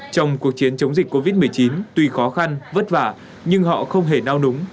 trong cuộc chiến chống dịch covid một mươi chín tuy khó khăn vất vả nhưng họ không hề nao núng